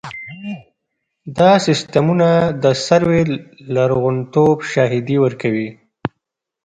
دا سیستمونه د سروې د لرغونتوب شاهدي ورکوي